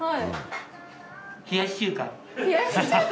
冷やし中華？